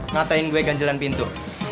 ngatain gue ganjelan pintu